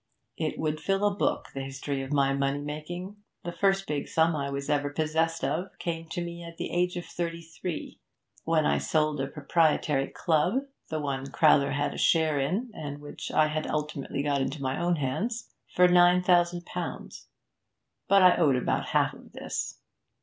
It would fill a book, the history of my money making. The first big sum I ever was possessed of came to me at the age of two and thirty, when I sold a proprietary club (the one Crowther had a share in and which I had ultimately got into my own hands) for nine thousand pounds; but I owed about half of this.